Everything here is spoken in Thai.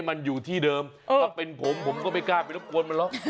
มันอยู่ที่เดิมถ้าเป็นผมผมก็ไม่กล้าไปรบกวนมันหรอก